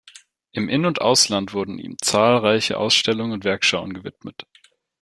Im In- und Ausland wurden ihm zahlreiche Ausstellungen und Werkschauen gewidmet.